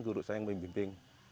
guru saya yang membimbing